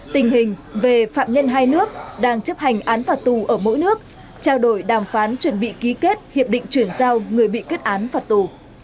tình hình về phạm nhân hai nước đang chấp hành án phạt tù ở mỗi nước trao đổi đàm phán chuẩn bị ký kết hiệp định chuyển giao người bị kết án phạt tù